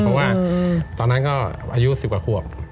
เพราะว่าตอนนั้นก็อายุ๑๐กว่าขวบ